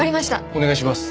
お願いします。